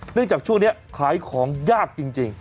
เนื่องจากช่วงนี้ขายของยากจริง